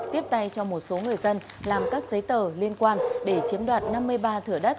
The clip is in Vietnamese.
tiếp tay cho một số người dân làm các giấy tờ liên quan để chiếm đoạt năm mươi ba thửa đất